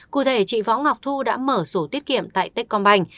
cụ thể chị võ ngọc thu đã mở sổ tiết kiệm tại tết còn bành